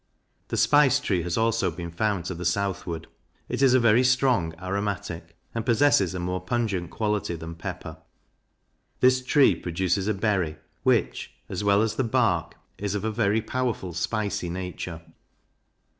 The Spice tree has also been found to the southward: It is a very strong aromatic, and possesses a more pungent quality than pepper. This tree produces a berry, which, as well as the bark, is of a very powerful spicy nature.